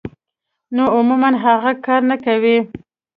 نو عموماً هغه کار نۀ کوي -